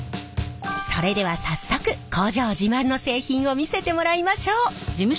それでは早速工場自慢の製品を見せてもらいましょう！